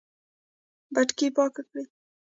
پټکی پاک کړئ